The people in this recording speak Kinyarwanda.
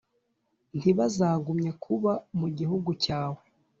Ntibazagumye kuba mu gihugu cyawe